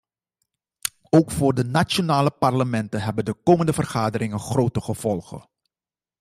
Ook voor de nationale parlementen hebben de komende veranderingen grote gevolgen.